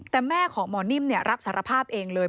แต่แม่ของหมอนิ่มรับสารภาพเองเลย